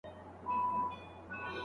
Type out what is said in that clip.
ډاکټرانو د ممکنه زیان په اړه اندېښنه لري.